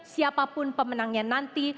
siapapun pemenangnya nanti